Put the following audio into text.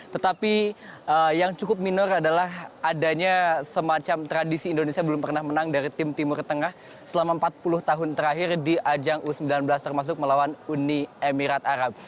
tetapi yang cukup minor adalah adanya semacam tradisi indonesia belum pernah menang dari tim timur tengah selama empat puluh tahun terakhir di ajang u sembilan belas termasuk melawan uni emirat arab